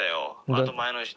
あと前の人」